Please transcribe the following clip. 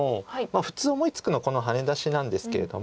普通思いつくのはこのハネ出しなんですけれども。